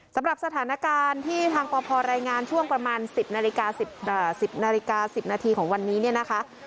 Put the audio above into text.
สำหรับสถานการณ์ที่ทางปพรายงานช่วงประมาณ๑๐นาฬิกา๑๐นาฬิกา๑๐นาทีของวันนี้เนี่ยนะคะ